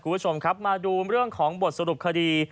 คุณผู้ชมครับมาดูเรื่องของบทสรุปคดี